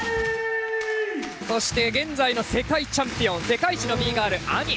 そして現在の世界チャンピオン世界一のＢガールＡＭＩ。